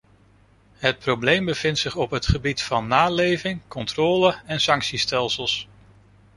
Het probleem bevindt zich op het gebied van naleving, controle en sanctiestelsels.